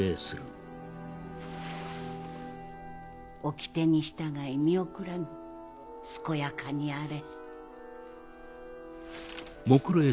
掟に従い見送らぬ健やかにあれ。